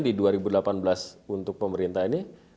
di dua ribu delapan belas untuk pemerintah ini